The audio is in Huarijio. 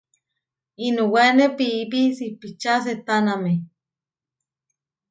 Inuwáene piípi sipičá sehtáname.